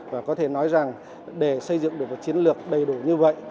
và có thể nói rằng để xây dựng được một chiến lược đầy đủ như vậy